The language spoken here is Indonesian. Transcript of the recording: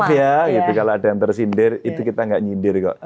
iya gitu kalau ada yang tersindir itu kita nggak nyindir kok